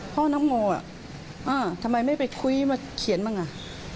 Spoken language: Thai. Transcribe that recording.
พ่อน้ำโมอ่ะทำไมไม่ไปคุยมาเขียนมั้งอ่ะ